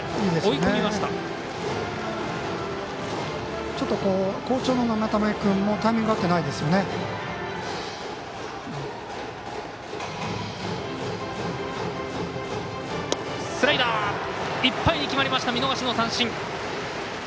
いっぱいに決まりました見逃し三振。